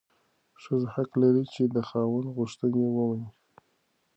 ښځه حق لري چې د خاوند غوښتنې ومني.